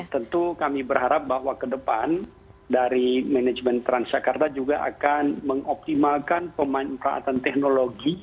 tentu kami berharap bahwa ke depan dari manajemen transjakarta juga akan mengoptimalkan pemanfaatan teknologi